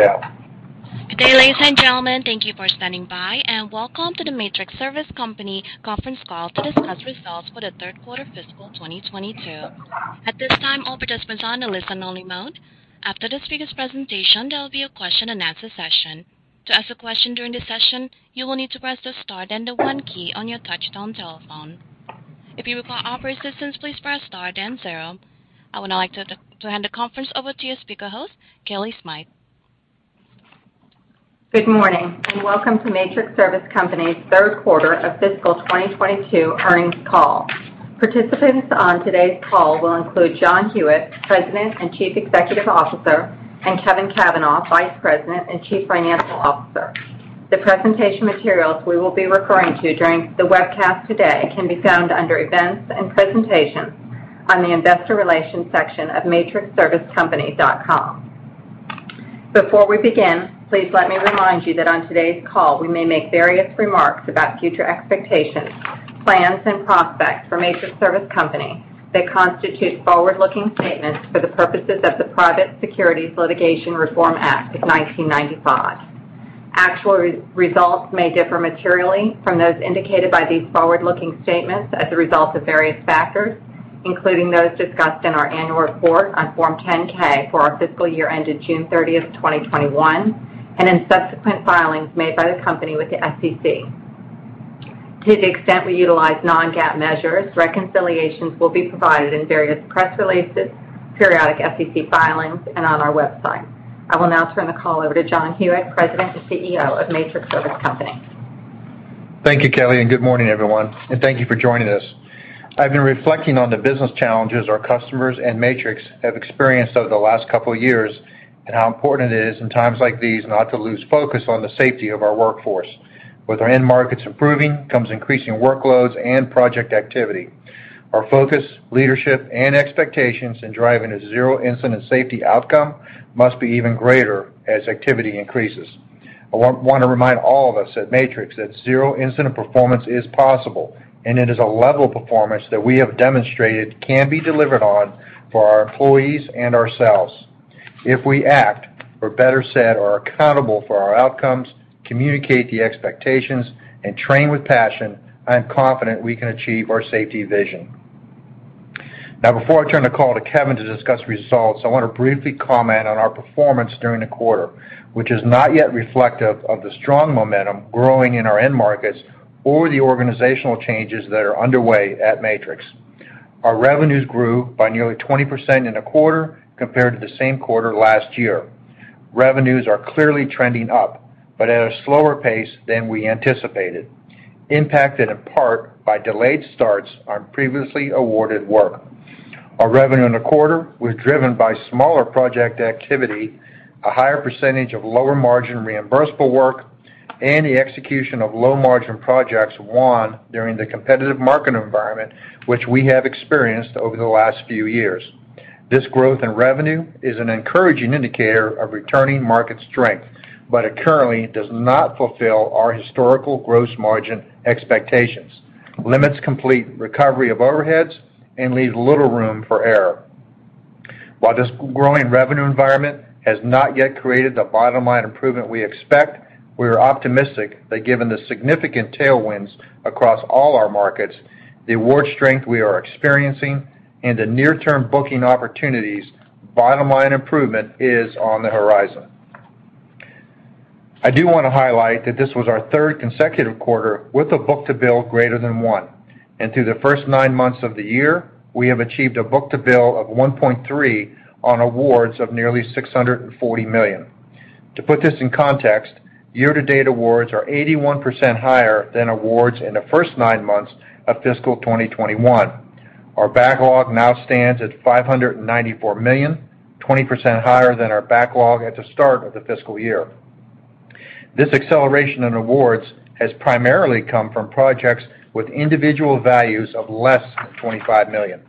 Good day, ladies and gentlemen. Thank you for standing by, and welcome to the Matrix Service Company conference call to discuss results for the third quarter fiscal 2022. At this time, all participants are on a listen only mode. After the speaker's presentation, there will be a question-and-answer session. To ask a question during the session, you will need to press the star, then the one key on your touchtone telephone. If you require operator assistance, please press star then zero. I would now like to hand the conference over to your speaker host, Kellie Smythe. Good morning, and welcome to Matrix Service Company's third quarter of fiscal 2022 earnings call. Participants on today's call will include John Hewitt, President and Chief Executive Officer, and Kevin Cavanah, Vice President and Chief Financial Officer. The presentation materials we will be referring to during the webcast today can be found under Events and Presentations on the Investor Relations section of matrixservicecompany.com. Before we begin, please let me remind you that on today's call, we may make various remarks about future expectations, plans, and prospects for Matrix Service Company. They constitute forward-looking statements for the purposes of the Private Securities Litigation Reform Act of 1995. Actual results may differ materially from those indicated by these forward-looking statements as a result of various factors, including those discussed in our annual report on Form 10-K for our fiscal year ended June 30, 2021, and in subsequent filings made by the company with the SEC. To the extent we utilize non-GAAP measures, reconciliations will be provided in various press releases, periodic SEC filings, and on our website. I will now turn the call over to John Hewitt, President and CEO of Matrix Service Company. Thank you, Kellie, and good morning, everyone, and thank you for joining us. I've been reflecting on the business challenges our customers and Matrix have experienced over the last couple of years, and how important it is in times like these, not to lose focus on the safety of our workforce. With our end markets improving comes increasing workloads and project activity. Our focus, leadership, and expectations in driving a zero incident safety outcome must be even greater as activity increases. I want to remind all of us at Matrix that zero incident performance is possible, and it is a level of performance that we have demonstrated can be delivered on for our employees and ourselves. If we act or better said, are accountable for our outcomes, communicate the expectations, and train with passion, I am confident we can achieve our safety vision. Now, before I turn the call to Kevin to discuss results, I want to briefly comment on our performance during the quarter, which is not yet reflective of the strong momentum growing in our end markets or the organizational changes that are underway at Matrix. Our revenues grew by nearly 20% in the quarter compared to the same quarter last year. Revenues are clearly trending up, but at a slower pace than we anticipated, impacted in part by delayed starts on previously awarded work. Our revenue in the quarter was driven by smaller project activity, a higher percentage of lower margin reimbursable work, and the execution of low margin projects won during the competitive market environment, which we have experienced over the last few years. This growth in revenue is an encouraging indicator of returning market strength, but it currently does not fulfill our historical gross margin expectations, limits complete recovery of overheads, and leaves little room for error. While this growing revenue environment has not yet created the bottom-line improvement we expect, we are optimistic that given the significant tailwinds across all our markets, the award strength we are experiencing and the near term booking opportunities, bottom line improvement is on the horizon. I do wanna highlight that this was our third consecutive quarter with a book-to-bill greater than 1. Through the first nine months of the year, we have achieved a book-to-bill of 1.3 on awards of nearly $640 million. To put this in context, year-to-date awards are 81% higher than awards in the first nine months of fiscal 2021. Our backlog now stands at $594 million, 20% higher than our backlog at the start of the fiscal year. This acceleration in awards has primarily come from projects with individual values of less than $25 million.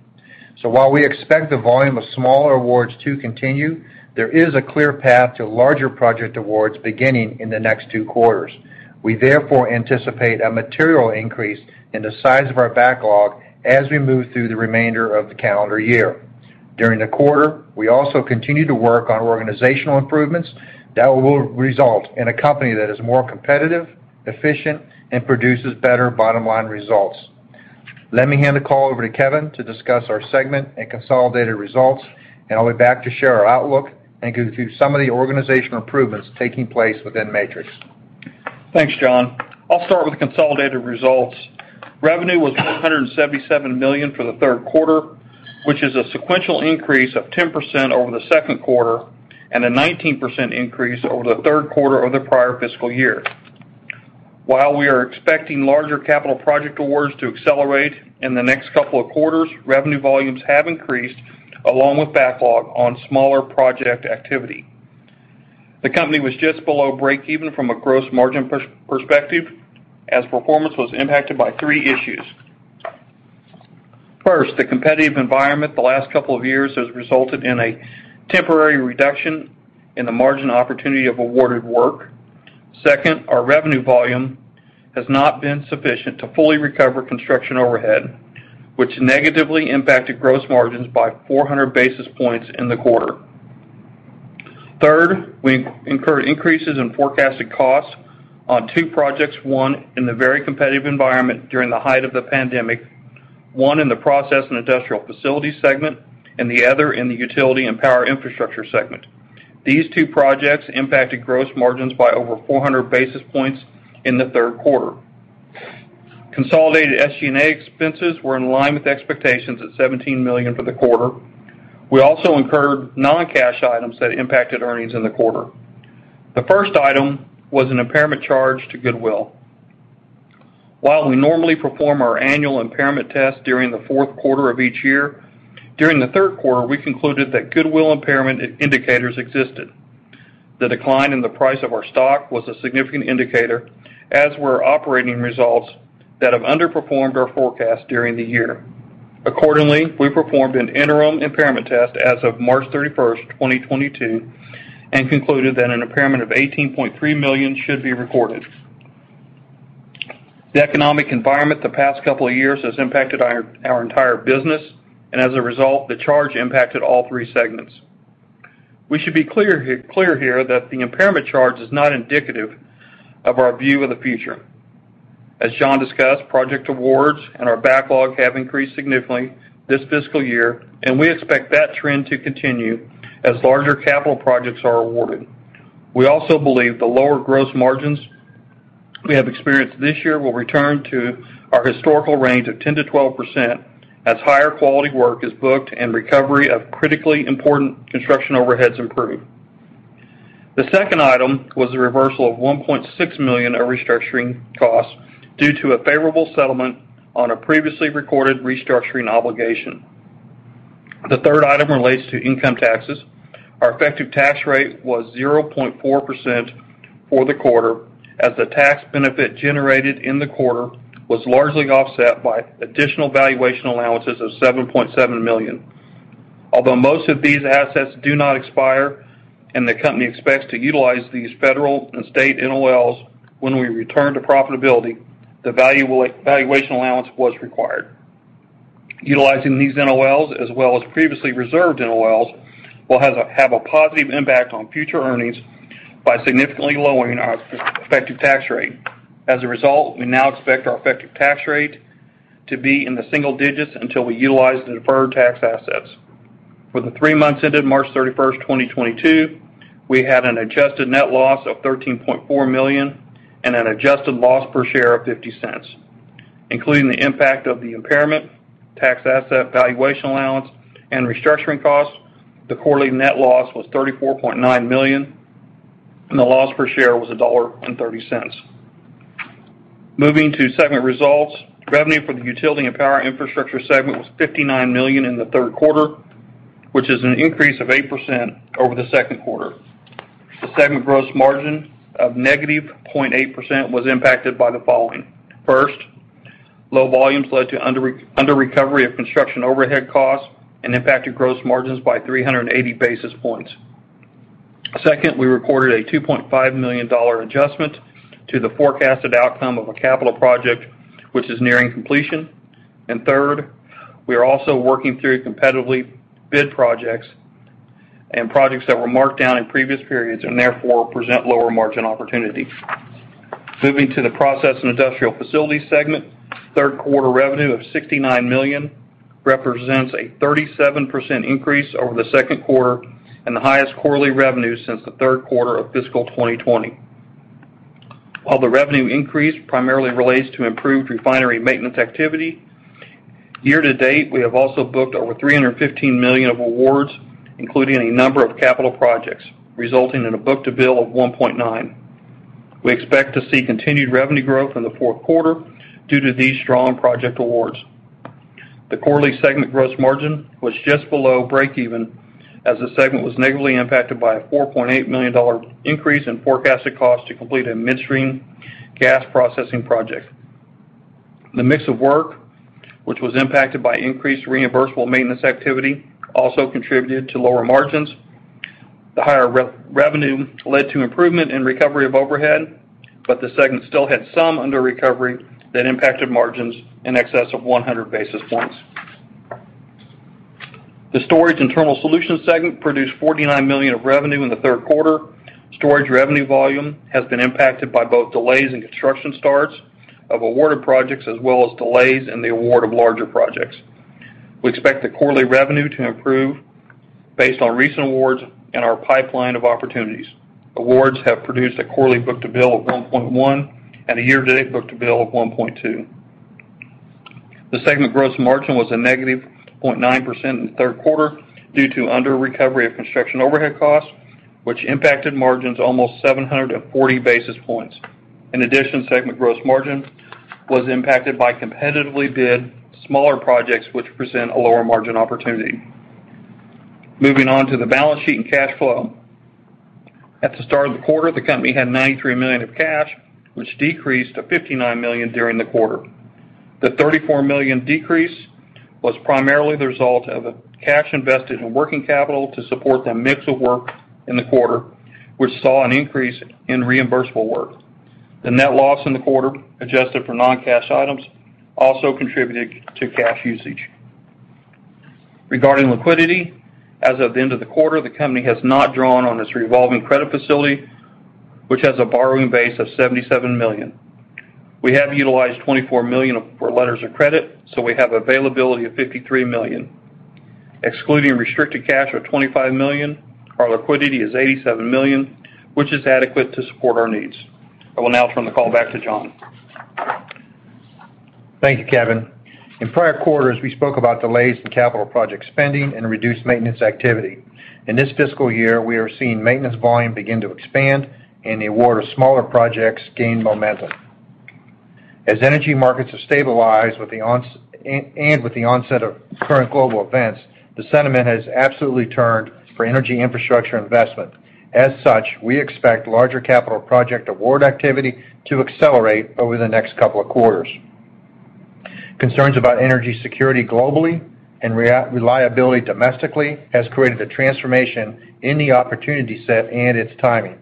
While we expect the volume of smaller awards to continue, there is a clear path to larger project awards beginning in the next two quarters. We therefore anticipate a material increase in the size of our backlog as we move through the remainder of the calendar year. During the quarter, we also continue to work on organizational improvements that will result in a company that is more competitive, efficient, and produces better bottom-line results. Let me hand the call over to Kevin to discuss our segment and consolidated results, and I'll be back to share our outlook and go through some of the organizational improvements taking place within Matrix. Thanks, John. I'll start with consolidated results. Revenue was $177 million for the third quarter, which is a sequential increase of 10% over the second quarter and a 19% increase over the third quarter of the prior fiscal year. While we are expecting larger capital project awards to accelerate in the next couple of quarters, revenue volumes have increased along with backlog on smaller project activity. The company was just below breakeven from a gross margin perspective, as performance was impacted by three issues. First, the competitive environment the last couple of years has resulted in a temporary reduction in the margin opportunity of awarded work. Second, our revenue volume has not been sufficient to fully recover construction overhead, which negatively impacted gross margins by 400 basis points in the quarter. Third, we incurred increases in forecasted costs on two projects, one in a very competitive environment during the height of the pandemic, one in the Process and Industrial Facilities segment, and the other in the Utility and Power Infrastructure segment. These two projects impacted gross margins by over 400 basis points in the third quarter. Consolidated SG&A expenses were in line with expectations at $17 million for the quarter. We also incurred non-cash items that impacted earnings in the quarter. The first item was an impairment charge to goodwill. While we normally perform our annual impairment test during the fourth quarter of each year, during the third quarter, we concluded that goodwill impairment indicators existed. The decline in the price of our stock was a significant indicator, as were operating results that have underperformed our forecast during the year. Accordingly, we performed an interim impairment test as of March 31, 2022, and concluded that an impairment of $18.3 million should be recorded. The economic environment the past couple of years has impacted our entire business, and as a result, the charge impacted all three segments. We should be clear here that the impairment charge is not indicative of our view of the future. As John discussed, project awards and our backlog have increased significantly this fiscal year, and we expect that trend to continue as larger capital projects are awarded. We also believe the lower gross margins we have experienced this year will return to our historical range of 10%-12% as higher quality work is booked and recovery of critically important construction overheads improve. The second item was the reversal of $1.6 million of restructuring costs due to a favorable settlement on a previously recorded restructuring obligation. The third item relates to income taxes. Our effective tax rate was 0.4% for the quarter as the tax benefit generated in the quarter was largely offset by additional valuation allowances of $7.7 million. Although most of these assets do not expire and the company expects to utilize these federal and state NOLs when we return to profitability, the valuation allowance was required. Utilizing these NOLs, as well as previously reserved NOLs, will have a positive impact on future earnings by significantly lowering our effective tax rate. As a result, we now expect our effective tax rate to be in the single digits until we utilize the deferred tax assets. For the three months ended March 31, 2022, we had an adjusted net loss of $13.4 million and an adjusted loss per share of $0.50. Including the impact of the impairment, tax asset valuation allowance, and restructuring costs, the quarterly net loss was $34.9 million, and the loss per share was $1.30. Moving to segment results. Revenue for the Utility and Power Infrastructure segment was $59 million in the third quarter, which is an increase of 8% over the second quarter. The segment gross margin of -0.8% was impacted by the following. First, low volumes led to under-recovery of construction overhead costs and impacted gross margins by 380 basis points. Second, we recorded a $2.5 million adjustment to the forecasted outcome of a capital project, which is nearing completion. Third, we are also working through competitively bid projects and projects that were marked down in previous periods and therefore present lower margin opportunities. Moving to the Process and Industrial Facilities segment. Third quarter revenue of $69 million represents a 37% increase over the second quarter and the highest quarterly revenue since the third quarter of fiscal 2020. While the revenue increase primarily relates to improved refinery maintenance activity, year-to-date, we have also booked over $315 million of awards, including a number of capital projects, resulting in a book-to-bill of 1.9. We expect to see continued revenue growth in the fourth quarter due to these strong project awards. The quarterly segment gross margin was just below breakeven as the segment was negatively impacted by a $4.8 million increase in forecasted costs to complete a midstream gas processing project. The mix of work, which was impacted by increased reimbursable maintenance activity, also contributed to lower margins. The higher revenue led to improvement in recovery of overhead, but the segment still had some under-recovery that impacted margins in excess of 100 basis points. The Storage and Terminal Solutions segment produced $49 million of revenue in the third quarter. Storage revenue volume has been impacted by both delays in construction starts of awarded projects as well as delays in the award of larger projects. We expect the quarterly revenue to improve based on recent awards and our pipeline of opportunities. Awards have produced a quarterly book-to-bill of 1.1 and a year-to-date book-to-bill of 1.2. The segment gross margin was -0.9% in the third quarter due to under-recovery of construction overhead costs, which impacted margins almost 740 basis points. In addition, segment gross margin was impacted by competitively bid smaller projects, which present a lower margin opportunity. Moving on to the balance sheet and cash flow. At the start of the quarter, the company had $93 million of cash, which decreased to $59 million during the quarter. The $34 million decrease was primarily the result of a cash invested in working capital to support the mix of work in the quarter, which saw an increase in reimbursable work. The net loss in the quarter, adjusted for non-cash items, also contributed to cash usage. Regarding liquidity, as of the end of the quarter, the company has not drawn on its revolving credit facility, which has a borrowing base of $77 million. We have utilized $24 million for letters of credit, so we have availability of $53 million. Excluding restricted cash of $25 million, our liquidity is $87 million, which is adequate to support our needs. I will now turn the call back to John. Thank you, Kevin. In prior quarters, we spoke about delays in capital project spending and reduced maintenance activity. In this fiscal year, we are seeing maintenance volume begin to expand and the award of smaller projects gain momentum. As energy markets have stabilized with the onset of current global events, the sentiment has absolutely turned for energy infrastructure investment. As such, we expect larger capital project award activity to accelerate over the next couple of quarters. Concerns about energy security globally and reliability domestically has created a transformation in the opportunity set and its timing.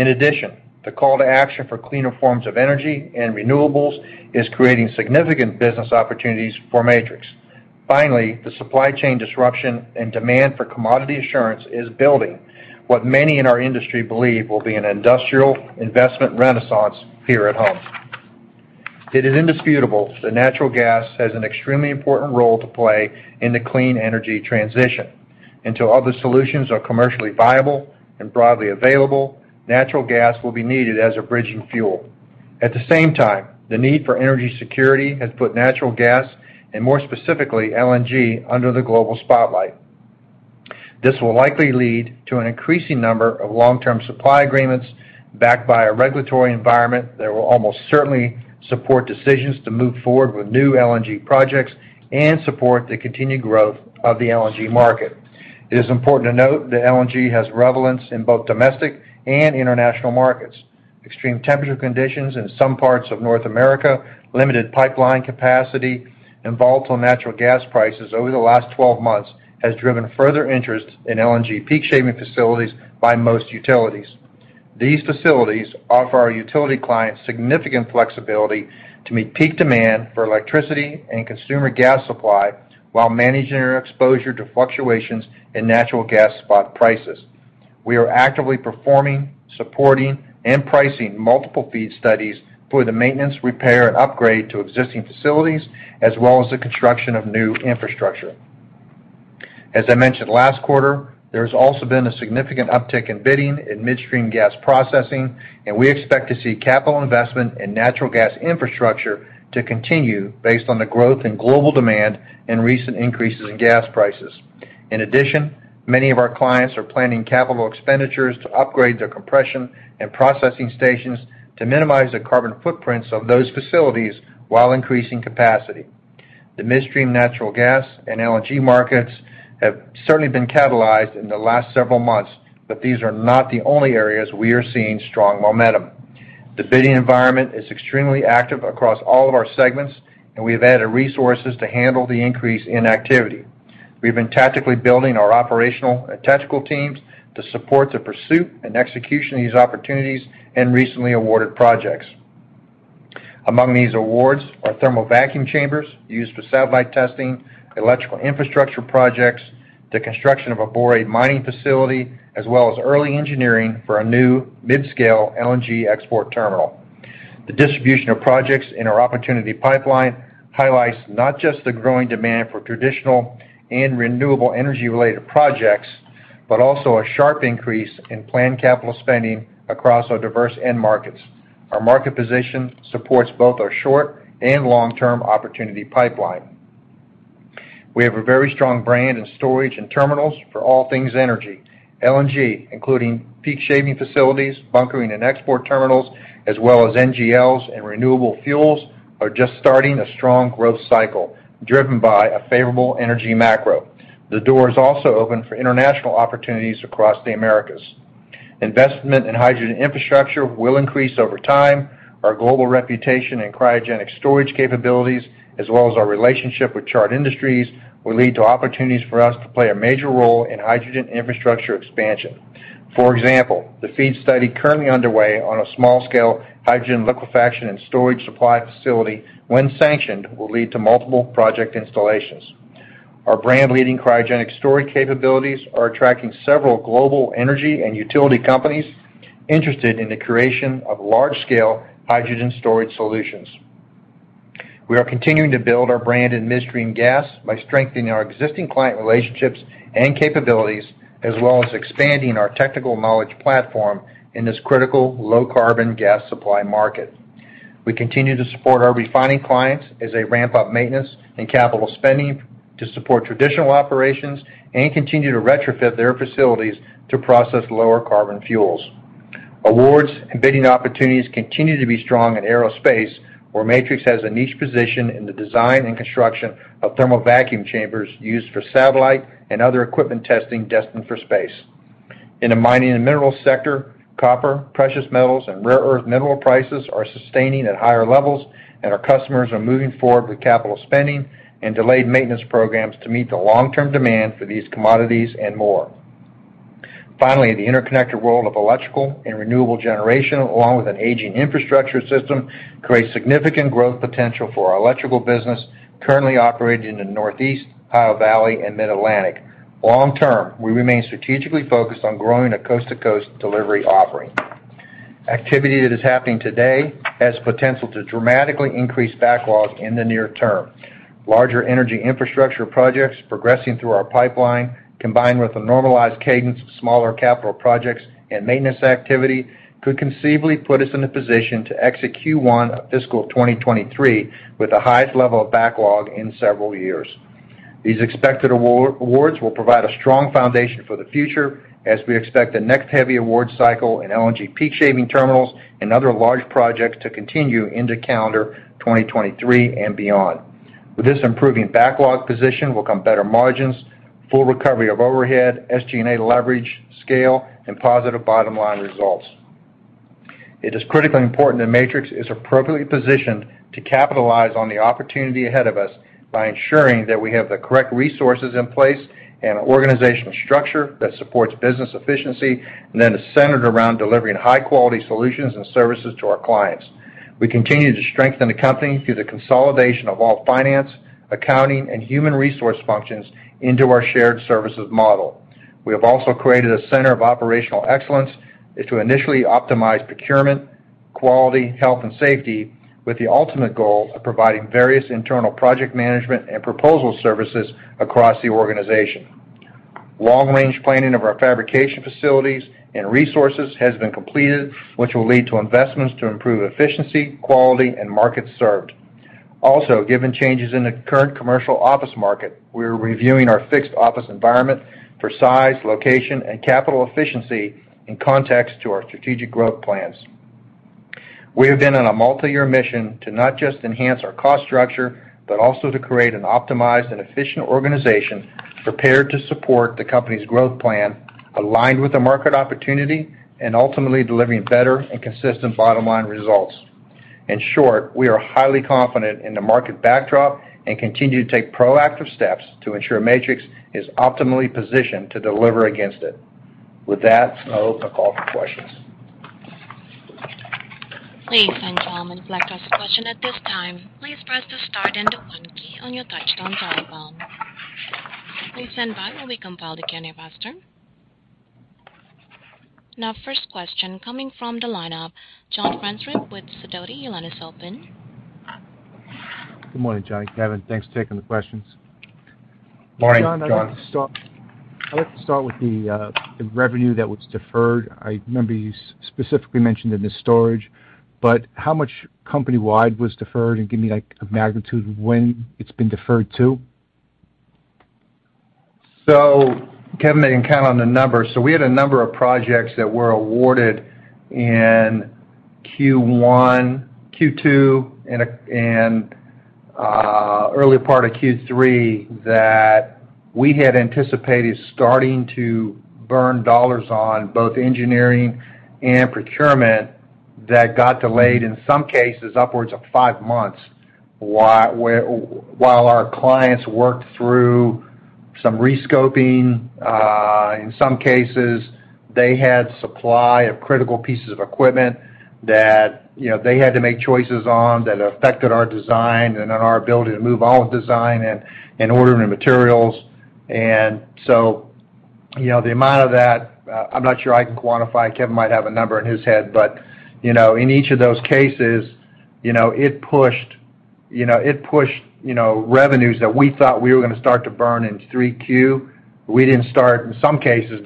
In addition, the call to action for cleaner forms of energy and renewables is creating significant business opportunities for Matrix. Finally, the supply chain disruption and demand for commodity assurance is building what many in our industry believe will be an industrial investment renaissance here at home. It is indisputable that natural gas has an extremely important role to play in the clean energy transition. Until other solutions are commercially viable and broadly available, natural gas will be needed as a bridging fuel. At the same time, the need for energy security has put natural gas, and more specifically, LNG, under the global spotlight. This will likely lead to an increasing number of long-term supply agreements backed by a regulatory environment that will almost certainly support decisions to move forward with new LNG projects and support the continued growth of the LNG market. It is important to note that LNG has relevance in both domestic and international markets. Extreme temperature conditions in some parts of North America, limited pipeline capacity, and volatile natural gas prices over the last twelve months has driven further interest in LNG peak shaving facilities by most utilities. These facilities offer our utility clients significant flexibility to meet peak demand for electricity and consumer gas supply while managing their exposure to fluctuations in natural gas spot prices. We are actively performing, supporting, and pricing multiple FEED studies for the maintenance, repair, and upgrade to existing facilities, as well as the construction of new infrastructure. As I mentioned last quarter, there has also been a significant uptick in bidding in midstream gas processing, and we expect to see capital investment in natural gas infrastructure to continue based on the growth in global demand and recent increases in gas prices. In addition, many of our clients are planning capital expenditures to upgrade their compression and processing stations to minimize the carbon footprints of those facilities while increasing capacity. The midstream natural gas and LNG markets have certainly been catalyzed in the last several months, but these are not the only areas we are seeing strong momentum. The bidding environment is extremely active across all of our segments, and we have added resources to handle the increase in activity. We've been tactically building our operational and tactical teams to support the pursuit and execution of these opportunities and recently awarded projects. Among these awards are thermal vacuum chambers used for satellite testing, electrical infrastructure projects, the construction of a borate mining facility, as well as early engineering for a new mid-scale LNG export terminal. The distribution of projects in our opportunity pipeline highlights not just the growing demand for traditional and renewable energy-related projects, but also a sharp increase in planned capital spending across our diverse end markets. Our market position supports both our short and long-term opportunity pipeline. We have a very strong brand in storage and terminals for all things energy. LNG, including peak shaving facilities, bunkering and export terminals, as well as NGLs and renewable fuels, are just starting a strong growth cycle driven by a favorable energy macro. The door is also open for international opportunities across the Americas. Investment in hydrogen infrastructure will increase over time. Our global reputation in cryogenic storage capabilities, as well as our relationship with Chart Industries, will lead to opportunities for us to play a major role in hydrogen infrastructure expansion. For example, the FEED study currently underway on a small scale hydrogen liquefaction and storage supply facility, when sanctioned, will lead to multiple project installations. Our brand leading cryogenic storage capabilities are attracting several global energy and utility companies interested in the creation of large-scale hydrogen storage solutions. We are continuing to build our brand in midstream gas by strengthening our existing client relationships and capabilities, as well as expanding our technical knowledge platform in this critical low carbon gas supply market. We continue to support our refining clients as they ramp up maintenance and capital spending to support traditional operations and continue to retrofit their facilities to process lower carbon fuels. Awards and bidding opportunities continue to be strong in aerospace, where Matrix has a niche position in the design and construction of thermal vacuum chambers used for satellite and other equipment testing destined for space. In the mining and minerals sector, copper, precious metals and rare earth mineral prices are sustaining at higher levels, and our customers are moving forward with capital spending and delayed maintenance programs to meet the long-term demand for these commodities and more. Finally, the interconnected world of electrical and renewable generation, along with an aging infrastructure system, creates significant growth potential for our electrical business currently operating in the Northeast, Ohio Valley and Mid-Atlantic. Long term, we remain strategically focused on growing a coast-to-coast delivery offering. Activity that is happening today has potential to dramatically increase backlogs in the near term. Larger energy infrastructure projects progressing through our pipeline, combined with a normalized cadence of smaller capital projects and maintenance activity, could conceivably put us in a position to exit Q1 of fiscal 2023 with the highest level of backlog in several years. These expected awards will provide a strong foundation for the future as we expect the next heavy award cycle in LNG peak shaving terminals and other large projects to continue into calendar 2023 and beyond. With this improving backlog position will come better margins, full recovery of overhead, SG&A leverage, scale, and positive bottom line results. It is critically important that Matrix is appropriately positioned to capitalize on the opportunity ahead of us by ensuring that we have the correct resources in place and an organizational structure that supports business efficiency and that is centered around delivering high quality solutions and services to our clients. We continue to strengthen the company through the consolidation of all finance, accounting, and human resource functions into our shared services model. We have also created a center of operational excellence to initially optimize procurement, quality, health and safety, with the ultimate goal of providing various internal project management and proposal services across the organization. Long-range planning of our fabrication facilities and resources has been completed, which will lead to investments to improve efficiency, quality, and markets served. Also, given changes in the current commercial office market, we are reviewing our fixed office environment for size, location, and capital efficiency in context to our strategic growth plans. We have been on a multiyear mission to not just enhance our cost structure, but also to create an optimized and efficient organization prepared to support the company's growth plan, aligned with the market opportunity and ultimately delivering better and consistent bottom-line results. In short, we are highly confident in the market backdrop and continue to take proactive steps to ensure Matrix is optimally positioned to deliver against it. With that, I'll open the call for questions. Please send comments like this question at this time. Please press the star and the one key on your touchtone telephone. Please stand by while we compile the queue faster. Now first question coming from the lineup, John Franzreb with Sidoti & Company. Your line is open. Good morning, John Hewitt and Kevin Cavanah. Thanks for taking the questions. Morning, John. John, I'd like to start with the revenue that was deferred. I remember you specifically mentioned it in the storage, but how much company-wide was deferred? Give me, like, a magnitude of when it's been deferred to. Kevin may comment on the numbers. We had a number of projects that were awarded in Q1, Q2, and early part of Q3 that we had anticipated starting to burn dollars on both engineering and procurement that got delayed, in some cases, upwards of five months, while our clients worked through some re-scoping. In some cases, they had supply of critical pieces of equipment that, you know, they had to make choices on that affected our design and on our ability to move all the design and ordering the materials. You know, the amount of that, I'm not sure I can quantify. Kevin might have a number in his head. You know, in each of those cases, you know, it pushed revenues that we thought we were gonna start to burn in Q3. We didn't start in some cases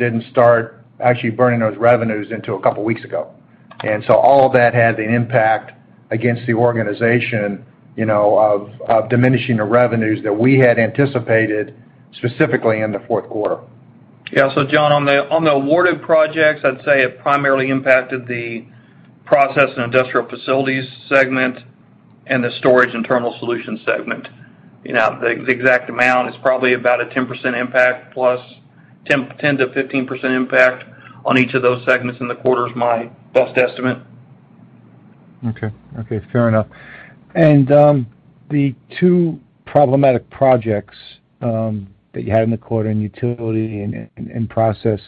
actually burning those revenues until a couple weeks ago. All of that had an impact against the organization, you know, of diminishing the revenues that we had anticipated, specifically in the fourth quarter. Yeah. John, on the awarded projects, I'd say it primarily impacted the Process and Industrial Facilities segment and the Storage and Terminal Solutions segment. You know, the exact amount is probably about a 10% impact plus. 10%-15% impact on each of those segments in the quarter is my best estimate. Okay. Okay, fair enough. The two problematic projects that you had in the quarter in Utility and Process,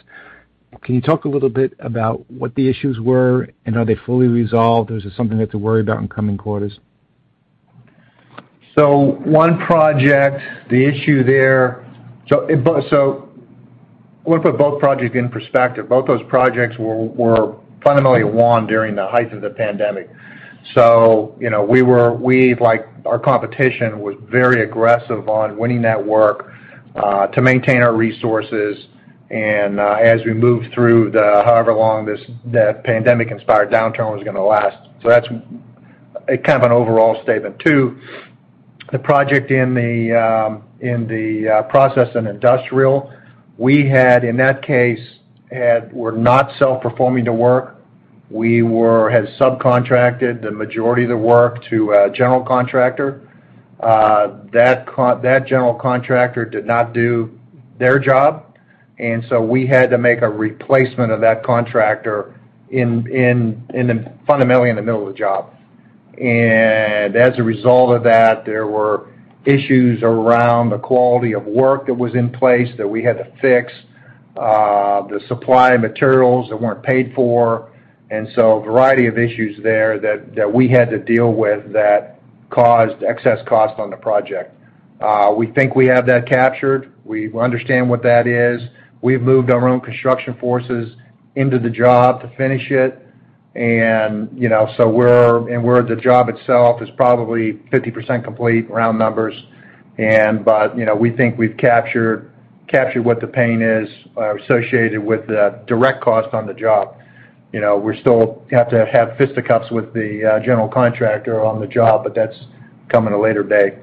can you talk a little bit about what the issues were and are they fully resolved, or is it something they have to worry about in coming quarters? One project, the issue there. I want to put both projects in perspective. Both those projects were fundamentally won during the height of the pandemic. You know, we were, like our competition, very aggressive on winning that work to maintain our resources and as we moved through however long this, the pandemic-inspired downturn was gonna last. That's kind of an overall statement. Two, the project in the Process and Industrial we had in that case were not self-performing the work. We had subcontracted the majority of the work to a general contractor. That general contractor did not do their job, and we had to make a replacement of that contractor in the fundamentally in the middle of the job. As a result of that, there were issues around the quality of work that was in place that we had to fix, the supply materials that weren't paid for. A variety of issues there that we had to deal with that caused excess cost on the project. We think we have that captured. We understand what that is. We've moved our own construction forces into the job to finish it. Where the job itself is probably 50% complete round numbers. We think we've captured what the pain is associated with the direct cost on the job. We still have to have fisticuffs with the general contractor on the job, but that's coming at a later date.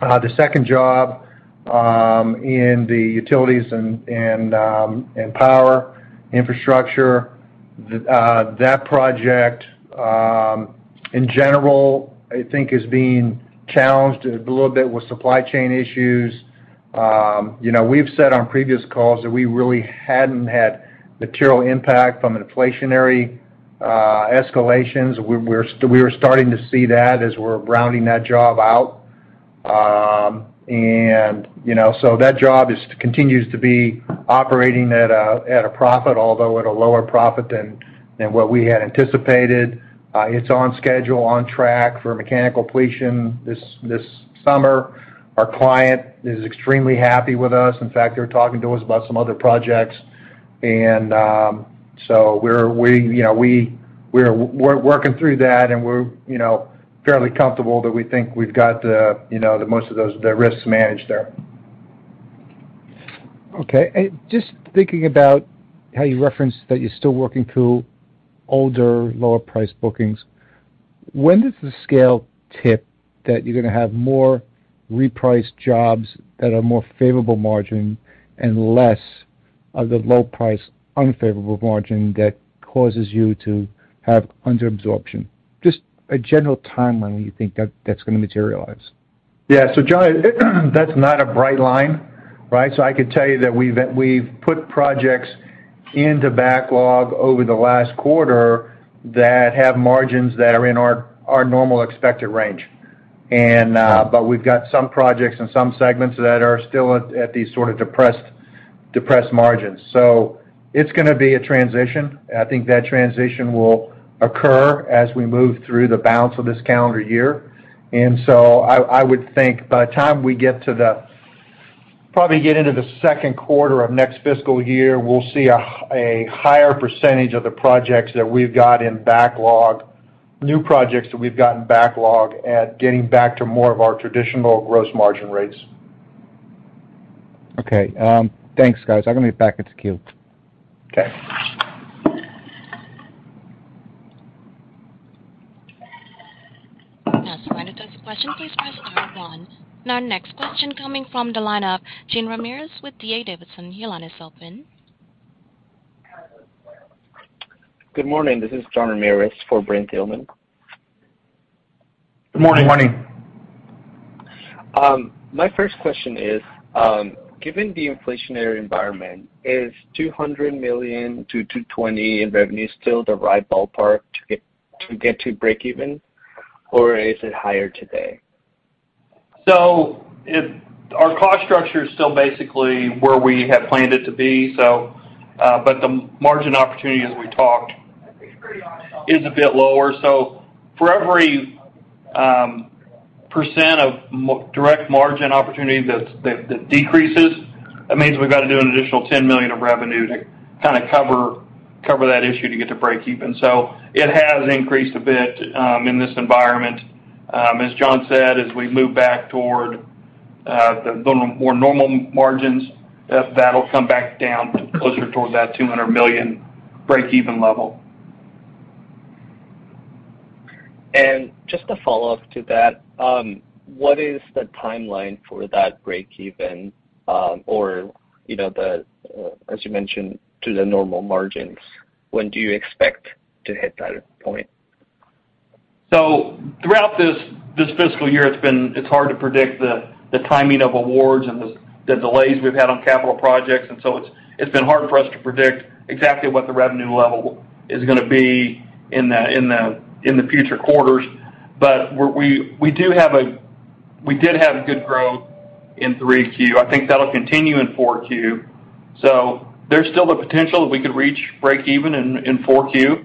The second job in the Utility and Power Infrastructure, that project in general, I think is being challenged a little bit with supply chain issues. You know, we've said on previous calls that we really hadn't had material impact from inflationary escalations. We're starting to see that as we're rounding that job out. You know, that job continues to be operating at a profit, although at a lower profit than what we had anticipated. It's on schedule, on track for mechanical completion this summer. Our client is extremely happy with us. In fact, they're talking to us about some other projects. We're working through that, and we're you know fairly comfortable that we think we've got you know the most of those risks managed there. Okay. Just thinking about how you referenced that you're still working through older, lower priced bookings. When does the scale tip that you're gonna have more repriced jobs that are more favorable margin and less of the low price unfavorable margin that causes you to have under absorption? Just a general timeline when you think that that's gonna materialize. Yeah. John, that's not a bright line, right? I could tell you that we've put projects into backlog over the last quarter that have margins that are in our normal expected range. But we've got some projects and some segments that are still at these sort of depressed margins. It's gonna be a transition. I think that transition will occur as we move through the balance of this calendar year. I would think by the time we get to probably get into the second quarter of next fiscal year, we'll see a higher percentage of the projects that we've got in backlog, new projects that we've got in backlog at getting back to more of our traditional gross margin rates. Okay. Thanks, guys. I'm gonna be back in queue. Okay. Now, to withdraw your question, please press star one. Now, next question coming from the line of Jean Ramirez with D.A. Davidson. Your line is open. Good morning. This is Jean Ramirez for Brent Thielman. Good morning. Good morning. My first question is, given the inflationary environment, is $200 million-$220 million in revenue still the right ballpark to get to break even, or is it higher today? If our cost structure is still basically where we had planned it to be, but the margin opportunity, as we talked, is a bit lower. For every % of direct margin opportunity that decreases, that means we've got to do an additional $10 million of revenue to kinda cover that issue to get to breakeven. It has increased a bit in this environment. As John said, as we move back toward the more normal margins, that'll come back down closer towards that $200 million breakeven level. Just a follow-up to that, what is the timeline for that breakeven, or, you know, the, as you mentioned, to the normal margins, when do you expect to hit that point? Throughout this fiscal year, it's been hard to predict the timing of awards and the delays we've had on capital projects, and so it's been hard for us to predict exactly what the revenue level is gonna be in the future quarters. We did have good growth in 3Q. I think that'll continue in 4Q. There's still the potential that we could reach breakeven in 4Q.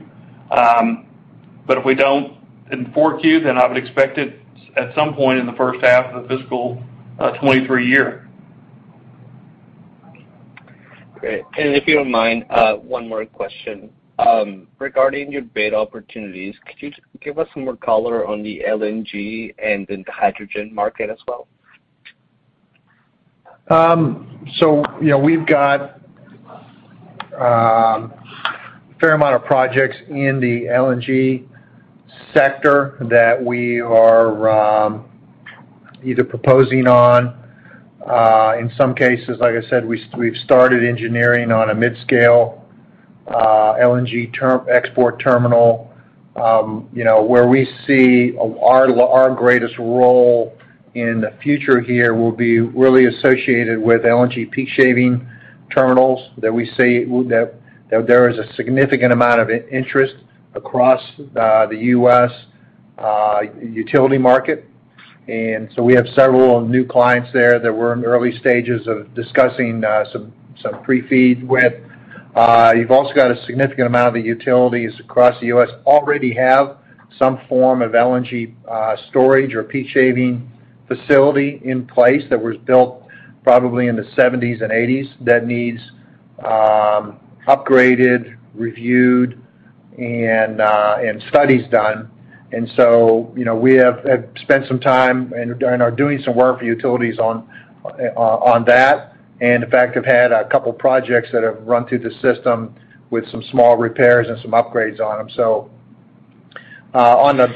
If we don't in 4Q, then I would expect it at some point in the first half of the fiscal 2023 year. Great. If you don't mind, one more question. Regarding your bid opportunities, could you give us some more color on the LNG and then the hydrogen market as well? You know, we've got a fair amount of projects in the LNG sector that we are either proposing on. In some cases, like I said, we've started engineering on a mid-scale LNG export terminal. You know, where we see our greatest role in the future here will be really associated with LNG peak shaving terminals that we see that there is a significant amount of interest across the U.S. utility market. We have several new clients there that we're in early stages of discussing some pre-FEED with. You've also got a significant amount of the utilities across the U.S. already have some form of LNG storage or peak shaving facility in place that was built probably in the seventies and eighties that needs upgraded, reviewed, and studies done. We have spent some time and are doing some work for utilities on that. In fact, have had a couple projects that have run through the system with some small repairs and some upgrades on them.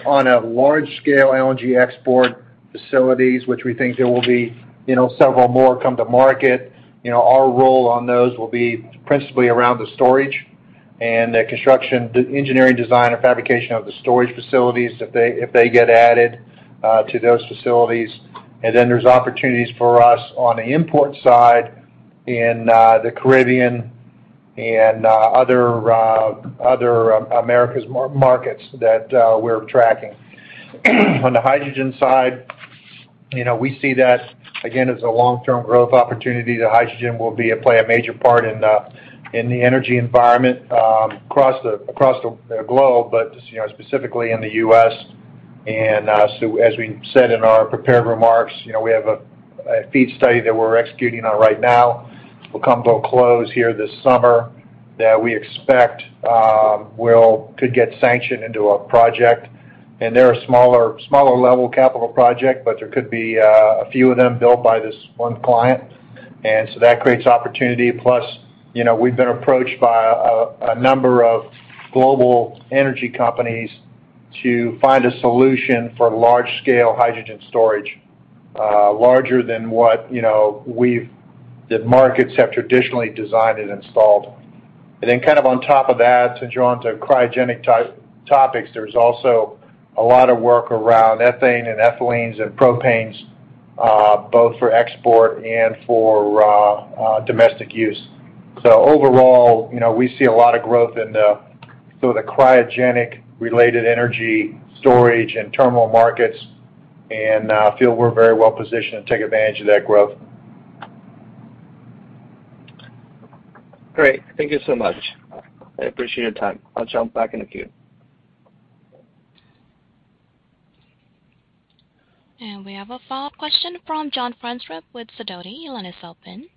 On a large scale LNG export facilities, which we think there will be several more come to market. Our role on those will be principally around the storage and the construction, the engineering design and fabrication of the storage facilities if they get added to those facilities. There's opportunities for us on the import side in the Caribbean and other Americas markets that we're tracking. On the hydrogen side, you know, we see that again as a long-term growth opportunity, the hydrogen will play a major part in the energy environment across the globe. You know, specifically in the U.S. As we said in our prepared remarks, you know, we have a FEED study that we're executing on right now. We'll come to a close here this summer that we expect could get sanctioned into a project. They're a smaller level capital project, but there could be a few of them built by this one client. That creates opportunity. Plus, you know, we've been approached by a number of global energy companies to find a solution for large scale hydrogen storage, larger than what the markets have traditionally designed and installed. Then kind of on top of that, to draw onto cryogenic topics, there's also a lot of work around ethane and ethylene and propane, both for export and for domestic use. Overall, you know, we see a lot of growth in sort of the cryogenic related energy storage and terminal markets, and feel we're very well positioned to take advantage of that growth. Great. Thank you so much. I appreciate your time. I'll jump back in the queue. We have a follow-up question from John Franzreb with Sidoti. Your line is open.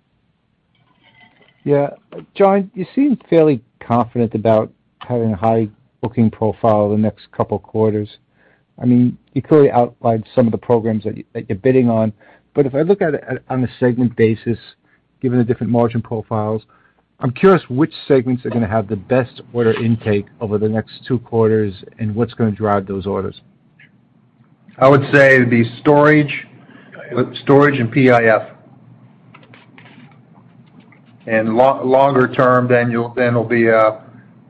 Yeah. John, you seem fairly confident about having a high booking profile the next couple quarters. I mean, you clearly outlined some of the programs that you're bidding on. If I look at it on a segment basis, given the different margin profiles, I'm curious which segments are gonna have the best order intake over the next two quarters, and what's gonna drive those orders? I would say the storage and PIF. Longer term, then it'll be,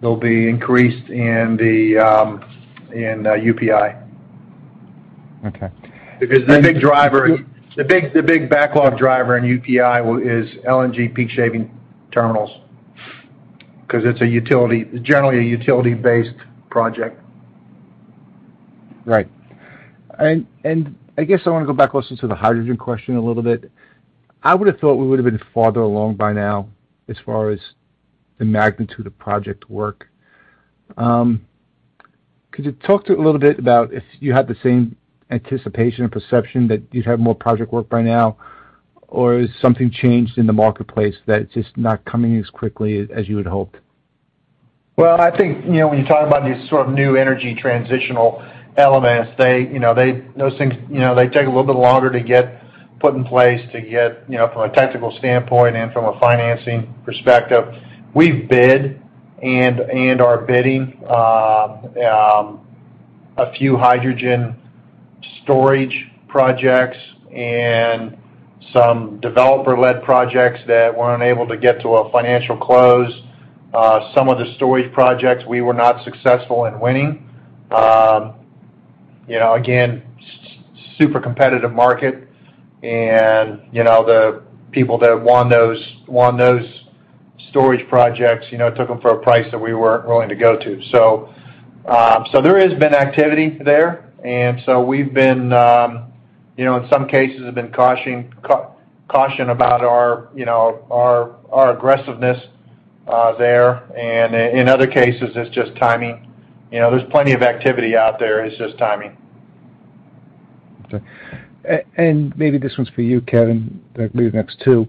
they'll be increased in the UPI. Okay. Because the big backlog driver in UPI is LNG peak shaving terminals. 'Cause it's a utility, generally a utility-based project. Right. I guess I wanna go back also to the hydrogen question a little bit. I would've thought we would've been farther along by now as far as the magnitude of project work. Could you talk a little bit about if you had the same anticipation and perception that you'd have more project work by now? Or has something changed in the marketplace that it's just not coming as quickly as you had hoped? Well, I think, you know, when you talk about these sort of new energy transitional elements, those things, you know, they take a little bit longer to get put in place to get, you know, from a technical standpoint and from a financing perspective. We bid and are bidding a few hydrogen storage projects and some developer-led projects that weren't able to get to a financial close. Some of the storage projects we were not successful in winning. You know, again, super competitive market. You know, the people that won those storage projects took them for a price that we weren't willing to go to. There has been activity there. We've been, you know, in some cases cautious about our aggressiveness there. In other cases, it's just timing. You know, there's plenty of activity out there. It's just timing. Maybe this one's for you, Kevin. Maybe the next two.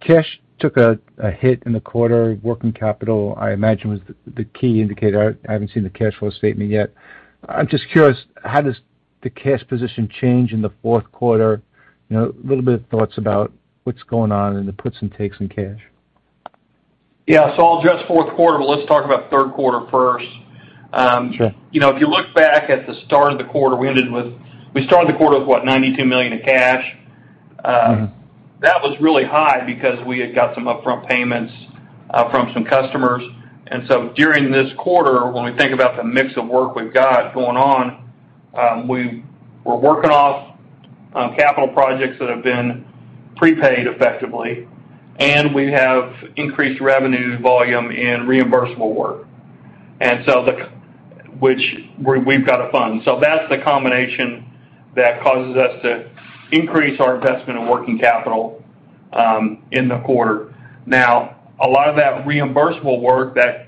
Cash took a hit in the quarter. Working capital, I imagine, was the key indicator. I haven't seen the cash flow statement yet. I'm just curious, how does the cash position change in the fourth quarter? You know, a little bit of thoughts about what's going on in the puts and takes in cash. Yeah. I'll address fourth quarter, but let's talk about third quarter first. You know, if you look back at the start of the quarter, we started the quarter with what? $92 million in cash. That was really high because we had got some upfront payments from some customers. During this quarter, when we think about the mix of work we've got going on, we're working off capital projects that have been prepaid effectively, and we have increased revenue volume in reimbursable work, which we've got to fund. That's the combination that causes us to increase our investment in working capital in the quarter. Now, a lot of that reimbursable work, that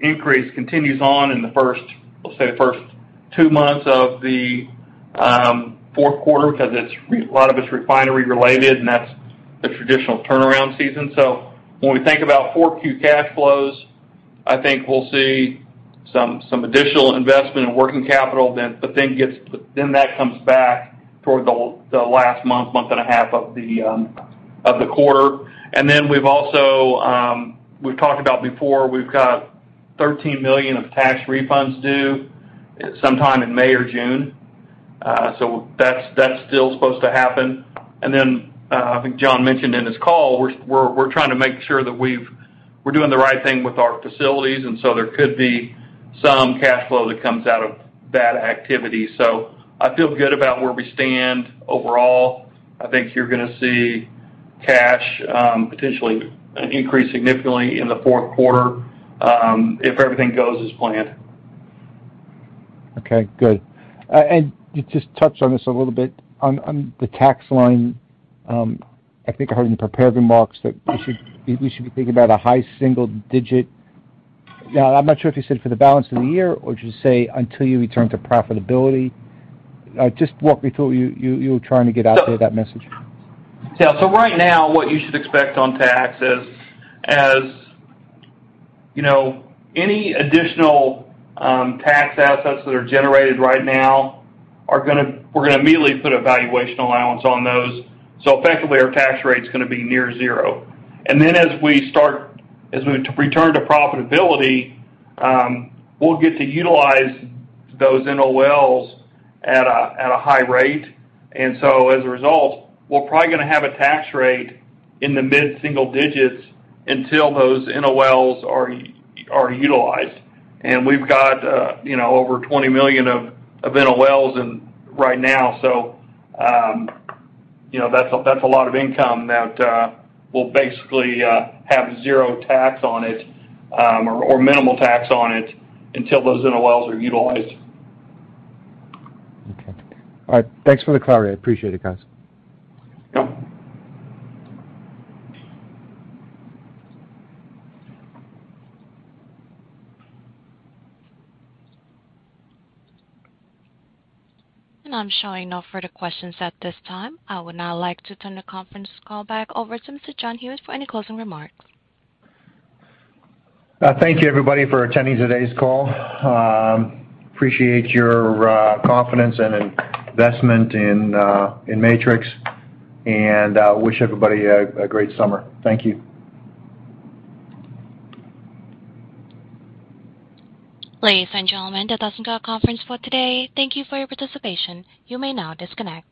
increase continues on in the first, let's say, the first 2 months of the fourth quarter because a lot of it's refinery related, and that's the traditional turnaround season. When we think about 4Q cash flows, I think we'll see some additional investment in working capital then. Then that comes back toward the last month and a half of the quarter. We've also talked about before. We've got $13 million of tax refunds due sometime in May or June. That's still supposed to happen. I think John mentioned in his call, we're trying to make sure we're doing the right thing with our facilities, and so there could be some cash flow that comes out of that activity. I feel good about where we stand overall. I think you're gonna see cash potentially increase significantly in the fourth quarter, if everything goes as planned. Okay, good. You just touched on this a little bit. On the tax line, I think I heard in the prepared remarks that we should be thinking about a high single digit. Now, I'm not sure if you said for the balance of the year or just say until you return to profitability. Just walk me through. You were trying to get that message out there. Yeah. Right now, what you should expect on taxes, as you know, any additional tax assets that are generated right now, we're gonna immediately put a valuation allowance on those. Effectively, our tax rate is gonna be near zero. As we return to profitability, we'll get to utilize those NOLs at a high rate. As a result, we're probably gonna have a tax rate in the mid-single digits until those NOLs are utilized. We've got, you know, over $20 million of NOLs right now. You know, that's a lot of income that will basically have zero tax on it, or minimal tax on it until those NOLs are utilized. Okay. All right. Thanks for the clarity. I appreciate it, guys. Yep. I'm showing no further questions at this time. I would now like to turn the conference call back over to Mr. John Hewitt for any closing remarks. Thank you, everybody, for attending today's call. Appreciate your confidence and investment in Matrix. Wish everybody a great summer. Thank you. Ladies and gentlemen, that does end our conference for today. Thank you for your participation. You may now disconnect.